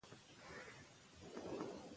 د جګړې او سولې رومان د نړۍ د ادبیاتو ویاړ دی.